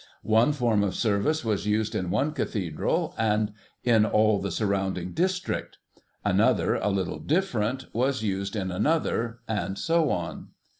One form of Service was used in one Cathedral, and in all the surrounding district; another, a little different, was used in another, and so on.